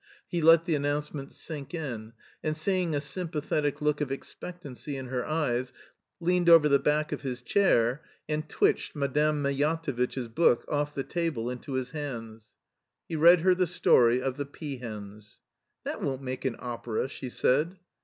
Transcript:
He let the announce ment sink in, and seeing a sympathetic look of ex pectancy in her eyes, leaned over the back of his chair and twitched Madame Mejatovitch's book off the table into his hands. He read her the story of the peahens. " That won't make an opera," she said.